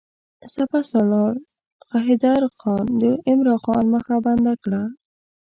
سپه سالار غلام حیدرخان د عمرا خان مخه بنده کړه.